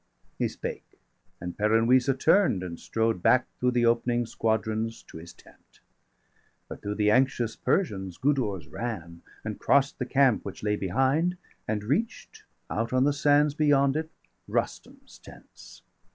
He spake: and Peran Wisa turn'd, and strode Back through the opening squadrons to his tent. But through the anxious Persians Gudurz ran, And cross'd the camp which lay behind, and reach'd, 190 Out on the sands beyond it, Rustum's tents.